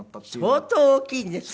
相当大きいんですね。